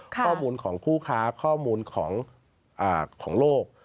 ข้อมูลของผู้ค้าข้อมูลของโลก